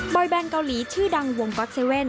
บอยแบรนด์เกาหลีชื่อดังวงก็อตเซเว่น